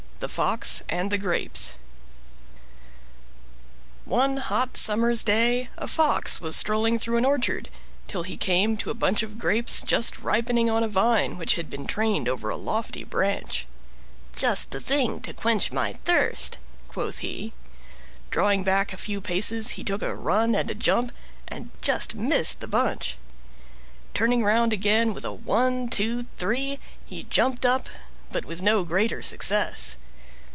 THE FOX AND THE GRAPES One hot summer's day a Fox was strolling through an orchard till he came to a bunch of Grapes just ripening on a vine which had been trained over a lofty branch. "Just the thing to quench my thirst," quoth he. Drawing back a few paces, he took a run and a jump, and just missed the bunch. Turning round again with a One, Two, Three, he jumped up, but with no greater success.